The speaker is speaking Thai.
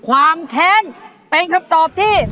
ความแค้นเป็นคำตอบที่